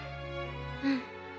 うん。